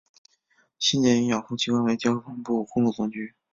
新建与养护机关为交通部公路总局。